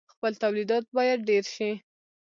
خپل تولیدات باید ډیر شي.